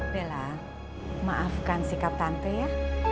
bella maafkan sikap tante ya